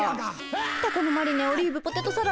タコのマリネオリーブポテトサラダ。